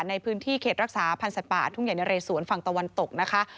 ในพื้นที่เขตรักษาพันธ์สัตว์ป่าทุ่งใหญ่นะเรสวนฝั่งตะวันตกนะคะ